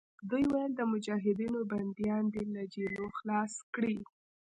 دوی ویل د مجاهدینو بندیان دې له جېلونو خلاص کړي.